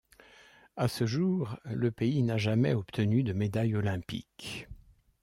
À ce jour, le pays n'a jamais obtenu de médaille olympique.